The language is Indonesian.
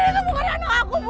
itu bukan anakmu